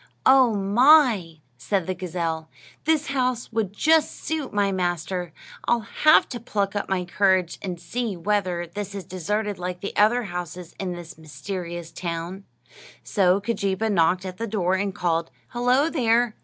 "Oh, my!" said the gazelle; "this house would just suit my master. I'll have to pluck up my courage and see whether this is deserted like the other houses in this mysterious town." So Keejeepaa knocked at the door, and called, "Hullo, there!"